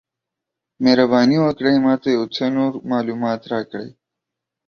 مهرباني وکړئ ما ته یو څه نور معلومات راکړئ؟